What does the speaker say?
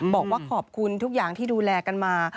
บอกว่าขอบคุณทุกอย่างที่ดูแลกันมา